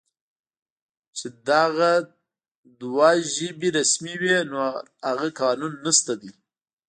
چې دغه دوه ژبې رسمي وې، نور هغه قانون نشته دی